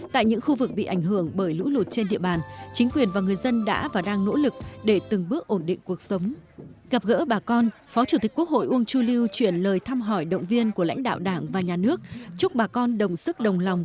tại những khu vực bị ảnh hưởng bởi lũ lụt trên địa bàn chính quyền và người dân đã và đang nỗ lực để từng bước ổn định cuộc sống